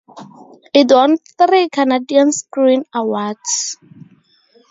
It won three Canadian Screen Awards.